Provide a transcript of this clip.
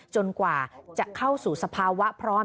กว่าจะเข้าสู่สภาวะพร้อม